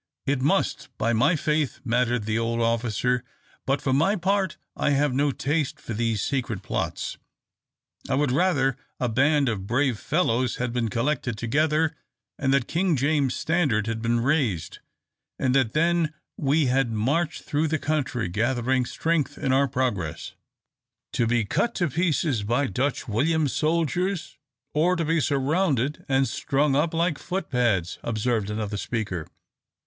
"It must, by my faith!" mattered the old officer; "but, for my part, I have no taste for these secret plots; I would rather a band of brave fellows had been collected together, and that King James's standard had been raised, and that then we had marched through the country, gathering strength in our progress." "To be cut to pieces by Dutch William's soldiers, or to be surrounded and strung up like foot pads!" observed another speaker.